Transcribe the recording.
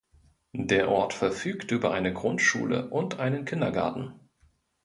Der Ort verfügt über eine Grundschule und einen Kindergarten.